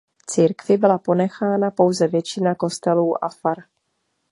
Církvi byla ponechána pouze většina kostelů a far.